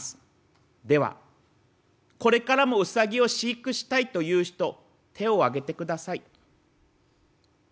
ではこれからもウサギを飼育したいという人手を挙げてください」。